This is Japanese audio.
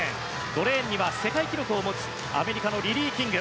５レーンには世界記録を持つアメリカのリリー・キング。